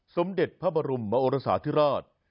สมเด็จพระบรมมโอรสาธิราช